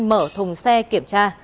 mở thùng xe kiểm tra